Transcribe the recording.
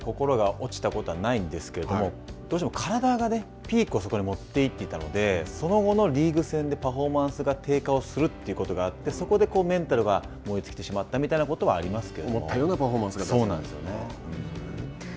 ここまで心が落ちたことはないんですけれどもどうしても体がねピークをそこに持っていってたのでその後のリーグ戦でパフォーマンスが低下するということがあってそこでメンタルが燃え尽きてしまったということはありますが。